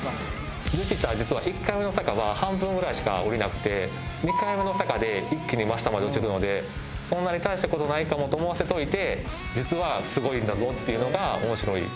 実は１回目の坂は半分ぐらいしか下りなくて２回目の坂で一気に真下まで落ちるのでそんなに大した事ないかもと思わせておいて実はすごいんだぞっていうのが面白い。